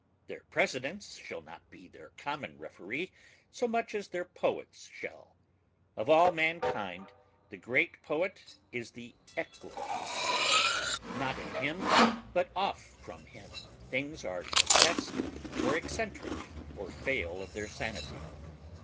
Their Presidents shall not be their common referee so much as their poets shall. Of all mankind the great poet is the equable man. Not in him but off from him things are grotesque or eccentric or fail of their sanity.